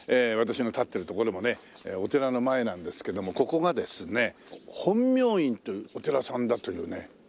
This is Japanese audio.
私の立ってる所もねお寺の前なんですけどもここがですね本妙院というお寺さんだというね。